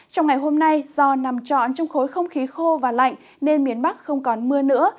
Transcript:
trong ngày hôm nay do nằm trọn trong khối không khí khô và lạnh nên miền bắc không còn mưa nữa